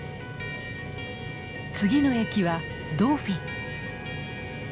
次の駅はドーフィン。